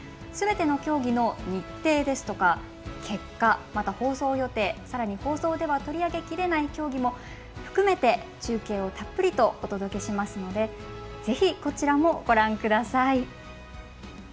すべての競技の日程ですとか結果、放送予定さらに放送では取り上げきれない競技も含めて中継をたっぷりとお届けしますのでぜひ、こちらもご覧ください。